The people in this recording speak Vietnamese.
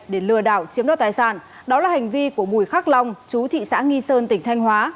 để lừa đảo chiếm đoạt tài sản đó là hành vi của bùi khắc long chú thị xã nghi sơn tỉnh thanh hóa